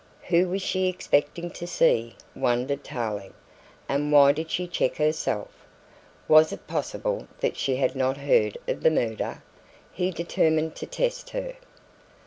Who was she expecting to see, wondered Tarling, and why did she check herself? Was it possible that she had not heard of the murder? He determined to test her.